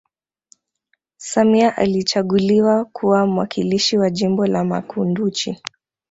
samia alichaguliwa kuwa mwakilishi wa jimbo la makunduchi